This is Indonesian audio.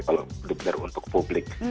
kalau benar benar untuk publik